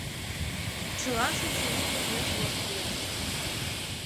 Чылан шинчавӱд лекмеш воштыльыч.